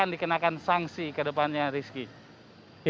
dikenakan sanksi ke depannya rizky